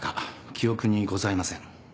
記憶にございません。